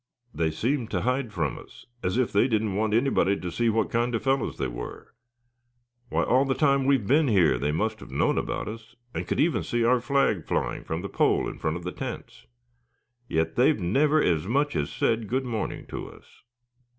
They seem to hide from us, as if they didn't want anybody to see what kind of fellows they were. Why, all the time we've been here they must have known about us, and could even see our flag flying from the pole in front of the tents; yet they've never as much as said 'good morning' to us."